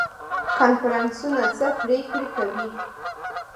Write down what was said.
کنفرانسونه څه پریکړې کوي؟